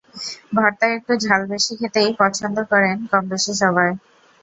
ভর্তায় একটু ঝাল বেশি খেতেই পছন্দ করেন কমবেশি সবাই।